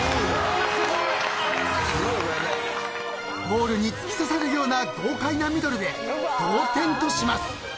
［ゴールに突き刺さるような豪快なミドルで同点とします］